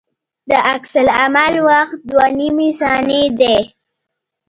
د عکس العمل وخت دوه نیمې ثانیې دی